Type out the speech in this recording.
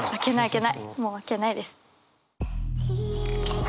もう開けないです。